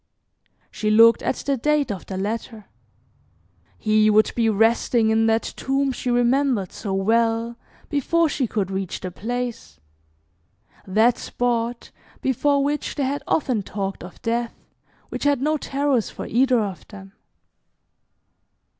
She looked at the date of the letter. He would be resting in that tomb she remembered so well, before she could reach the place; that spot before which they had often talked of Death, which had no terrors for either of them.